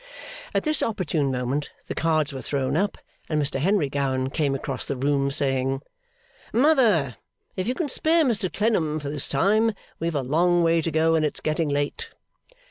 At this opportune moment, the cards were thrown up, and Mr Henry Gowan came across the room saying, 'Mother, if you can spare Mr Clennam for this time, we have a long way to go, and it's getting late.